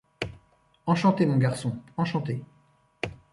Enchanté, mon garçon ! enchanté !